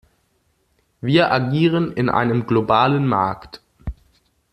Wir agieren in einem globalen Markt.